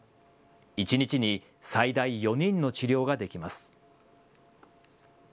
一日に最大４人の治療ができます。